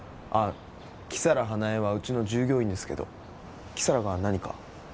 あっ木皿花枝はうちの従業員ですけど木皿が何か？